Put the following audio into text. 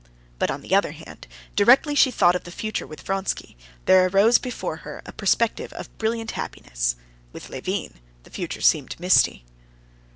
But, on the other hand, directly she thought of the future with Vronsky, there arose before her a perspective of brilliant happiness; with Levin the future seemed misty.